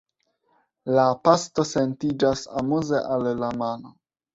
La pasto sentiĝas amuze al la mano.